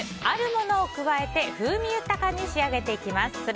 あるものを加えて風味豊かに仕上げていきます。